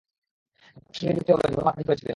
ঢাকনা সরিয়ে দেখতে হবে ঝোল মাখা মাখা হয়েছে কি না।